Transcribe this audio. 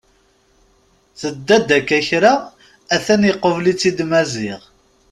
Tedda-d akka kra a-t-an iqubel-itt-id Maziɣ.